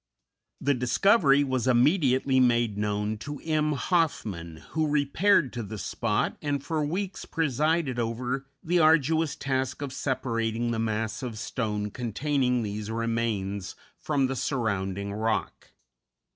The discovery was immediately made known to M. Hoffman, who repaired to the spot, and for weeks presided over the arduous task of separating the mass of stone containing these remains from the surrounding rock.